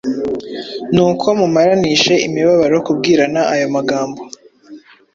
Nuko mumaranishe imibabaro kubwirana ayo magambo.”